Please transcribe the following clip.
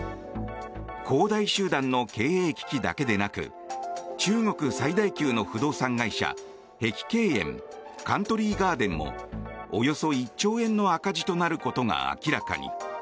恒大集団の経営危機だけでなく中国最大級の不動産会社碧桂園、カントリー・ガーデンもおよそ１兆円の赤字となることが明らかに。